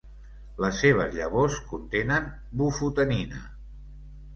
Les seves llavors contenen bufotenina.